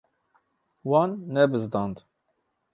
Wan nebizdand.